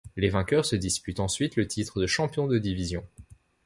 Les vainqueurs se disputent ensuite le titre de champion de division.